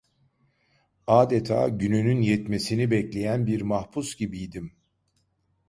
Adeta gününün yetmesini bekleyen bir mahpus gibiydim.